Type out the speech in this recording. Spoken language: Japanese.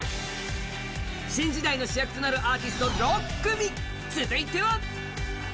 新時代の主役となるアーティスト６組続いては！